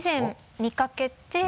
見かけて？